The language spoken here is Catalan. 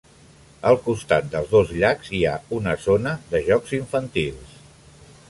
Al costat dels dos llacs hi ha una zona de jocs infantils.